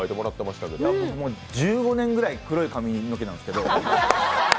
１５年くらい、黒い髪の毛なんですけど。